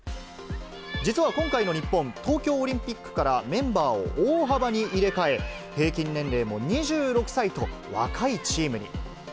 実は今回の日本、東京オリンピックからメンバーを大幅に入れ替え、平均年齢も２６歳と、若いチームに。